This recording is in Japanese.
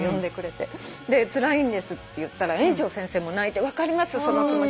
でつらいんですって言ったら園長先生も泣いて「分かりますその気持ち。